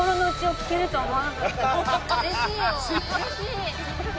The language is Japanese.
うれしい。